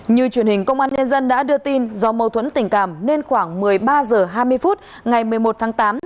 như truyền hình công an nhân dân đã đưa tin do mâu thuẫn tình cảm nên khoảng một mươi ba h hai mươi phút ngày một mươi một tháng tám